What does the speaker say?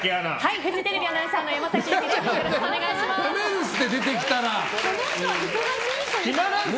フジテレビアナウンサーの山崎夕貴です。